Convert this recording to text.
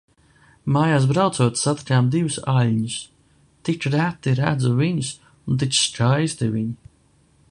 Mājās braucot, satikām divus aļņus. Tik reti redzu viņus un tik skaisti viņi.